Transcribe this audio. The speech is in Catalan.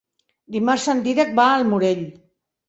Dimarts en Dídac va al Morell.